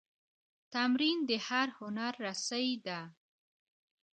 تمرین د هر هنر ریښه ده.